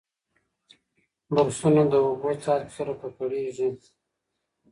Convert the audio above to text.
برسونه د اوبو څاڅکو سره ککړېږي.